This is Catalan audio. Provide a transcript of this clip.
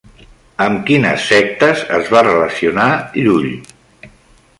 Amb quines sectes es va relacionar Llull?